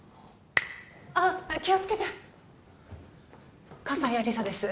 あっ気をつけて葛西亜理紗です